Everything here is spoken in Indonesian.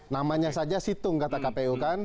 namanya saja situng kata kpu kan